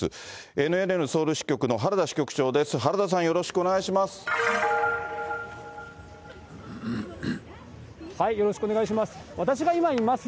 ＮＮＮのソウル支局の原田支局長です。